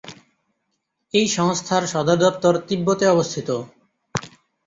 এই সংস্থার সদর দপ্তর তিব্বতে অবস্থিত।